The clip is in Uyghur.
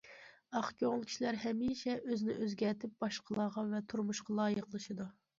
ئاق كۆڭۈل كىشىلەر ھەمىشە ئۆزىنى ئۆزگەرتىپ باشقىلارغا ۋە تۇرمۇشقا لايىقلىشىدۇ.